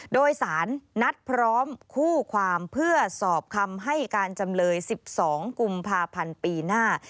โดยสารนัดพร้อมคู่ความเพื่อสอบคำให้การจำเลย๑๒กุมภาพันธ์ปีหน้า